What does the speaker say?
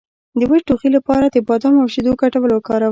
د وچ ټوخي لپاره د بادام او شیدو ګډول وکاروئ